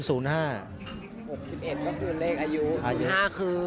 ๖๑ก็คือเลขอายุ๑๕คือ